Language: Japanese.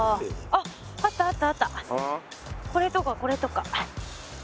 これとかこれとか。